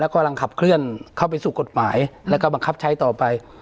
กำลังขับเคลื่อนเข้าไปสู่กฎหมายแล้วก็บังคับใช้ต่อไป